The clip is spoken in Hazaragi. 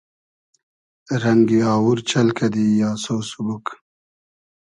رئنگی آوور چئل کئدی آسۉ سوبوگ